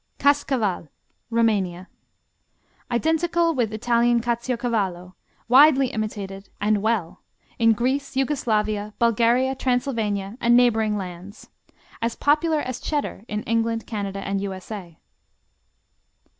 Kaskaval Rumania Identical with Italian Caciocavallo, widely imitated, and well, in Greece, Yugoslavia, Bulgaria, Transylvania and neighboring lands. As popular as Cheddar in England, Canada and U.S.A.